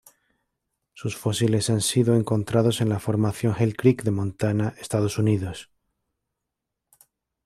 Sus fósiles han sido encontrados en la Formación Hell Creek de Montana, Estados Unidos.